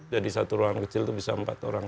jadi satu ruang kecil itu bisa empat orang